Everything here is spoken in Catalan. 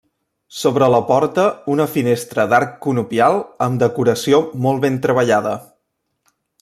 Sobre la porta una finestra d'arc conopial amb decoració molt ben treballada.